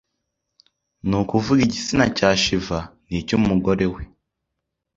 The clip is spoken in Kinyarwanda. ni ukuvuga igitsina cya Shiva n’icy’umugore we